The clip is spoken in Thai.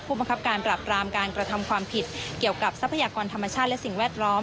บังคับการปรับรามการกระทำความผิดเกี่ยวกับทรัพยากรธรรมชาติและสิ่งแวดล้อม